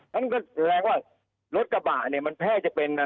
มันก็แรงว่ารถกระบะเนี่ยมันแพร่จะเป็น